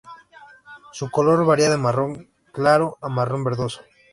Su color varía de marrón claro a marrón verdoso.